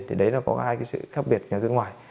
thì đấy là có hai cái sự khác biệt nhà đầu tư nước ngoài